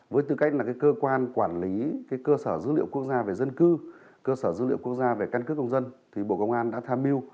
với tư cách là cơ quan quản lý cơ sở dữ liệu quốc gia về dân cư cơ sở dữ liệu quốc gia về căng cấp công dân